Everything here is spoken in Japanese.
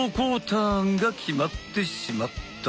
ターンが決まってしまった！